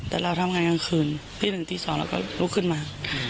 แต่เราทำงานกลางคืนตีหนึ่งตี๒เราก็ลุกขึ้นมา